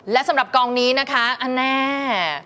และสำหรับกองนี้นะคะอันแน่